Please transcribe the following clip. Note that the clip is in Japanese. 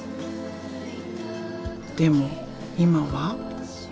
でも今は。